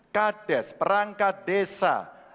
kades perangka desa